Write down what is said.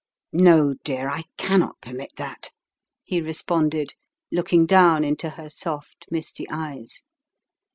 "No, dear, I cannot permit that," he responded, looking down into her soft, misty eyes.